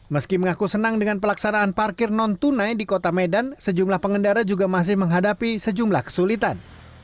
meski mengaku senang dengan pelaksanaan parkir non tunai di kota medan sejumlah pengendara juga masih menghadapi sejumlah kesulitan